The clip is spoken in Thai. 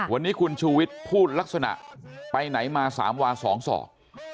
วันนี้คุณชูวิกพูดลักษณะไปไหนมาสามวาสองสอก